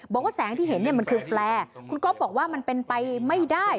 บอกว่าแสงที่เห็นเนี่ยมันคือแฟร์คุณก๊อฟบอกว่ามันเป็นไปไม่ได้